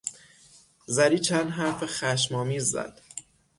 زری چند حرف خشم آمیز زد.